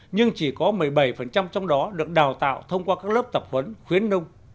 nhưng chỉ có một mươi bảy trong đó được đào tạo thông qua các lớp tập huấn khuyến nông